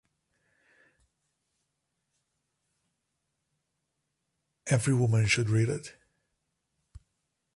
Every woman should read it.